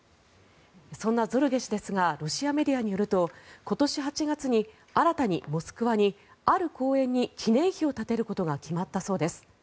そんなゾルゲ氏ですがロシアメディアによると今年８月に新たにモスクワにある公園に記念碑を建てることが決まったそうです。